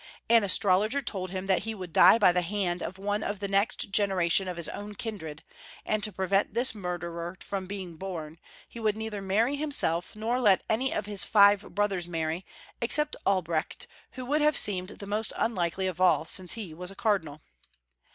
An astrologer told him that he would die by the liand of one of the next generation of his own kindred ; and to prevent this murderer from being born he would neither marry himself nor let any of liis five brothers marry, except Al brecht, who Avoukl have seemed the most unlikely of all, since lie was a Cardinal.